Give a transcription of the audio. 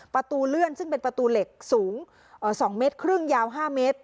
ประตูเลื่อนซึ่งเป็นประตูเหล็กสูง๒เมตรครึ่งยาว๕เมตร